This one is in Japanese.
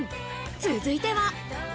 続いては。